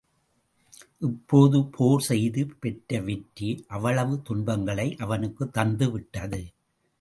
இப்போது போர் செய்து பெற்ற வெற்றி, அவ்வளவு துன்பங்களை அவனுக்குத் தந்துவிட்டது.